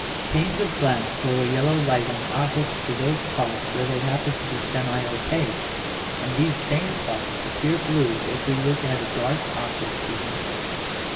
Panes of glass throw a yellow light on objects through those parts where they happen to be semi opaque, and these same parts appear blue if we look at a dark object through them.